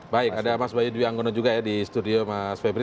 baik ada mas bayu dwi anggono juga ya di studio mas febri